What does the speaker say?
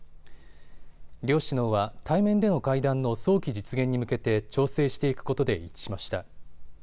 両首脳は対面での会談の早期実現に向けて調整していくことで一致しました。